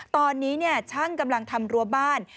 ตอนนี้ช่างกำลังทำรั้วบ้าน